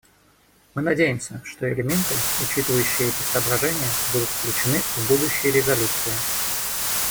Мы надеемся, что элементы, учитывающие эти соображения, будут включены в будущие резолюции.